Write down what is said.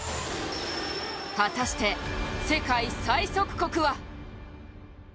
果たして、世界最速国は！？